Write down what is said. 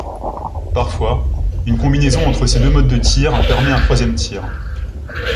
Parfois une combinaison entre ces deux modes de tir permet un troisième tir.